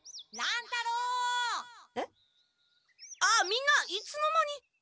あっみんないつの間に？